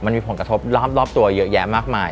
มันมีผลกระทบรอบตัวเยอะแยะมากมาย